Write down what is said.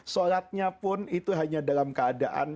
sholatnya pun itu hanya dalam keadaan